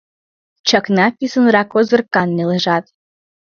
Чакна писынрак озыркан нелыжат.